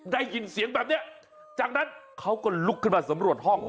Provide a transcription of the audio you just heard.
ได้ยินเสียงแบบนี้จากนั้นเขาก็ลุกขึ้นมาสำรวจห้อง